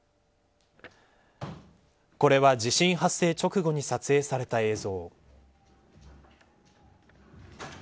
これは、地震発生直後に撮影された映像。